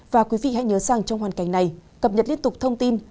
và quý vị hãy nhớ rằng trong hoàn cảnh này cập nhật liên tục thông tin